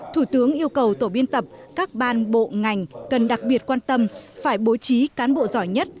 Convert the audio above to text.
thủ tướng yêu cầu tổ biên tập các ban bộ ngành cần đặc biệt quan tâm phải bố trí cán bộ giỏi nhất